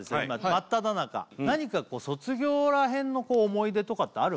まっただ中何か卒業ら辺の思い出とかってある？